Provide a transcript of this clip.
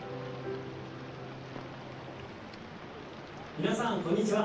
皆さんこんにちは。